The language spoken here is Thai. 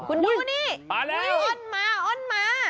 คุณดูนี่อ้อนมาอ้อนมา